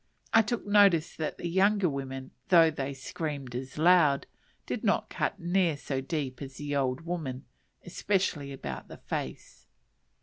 I took notice that the younger women, though they screamed as loud, did not cut near so deep as the old woman; especially about the face.